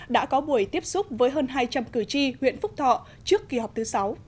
đã có buổi tiếp xúc với hơn hai trăm linh cử tri huyện phúc thọ trước kỳ họp thứ sáu